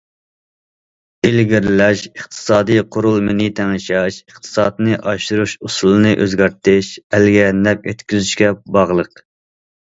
ئىلگىرىلەش ئىقتىسادىي قۇرۇلمىنى تەڭشەش، ئىقتىسادنى ئاشۇرۇش ئۇسۇلىنى ئۆزگەرتىش، ئەلگە نەپ يەتكۈزۈشكە باغلىق.